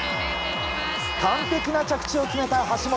完璧な着地を決めた橋本。